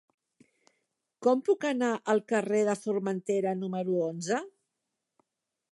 Com puc anar al carrer de Formentera número onze?